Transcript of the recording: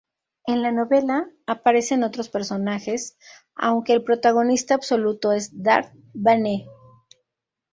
En la novela aparecen otros personajes aunque el protagonista absoluto es Darth Bane.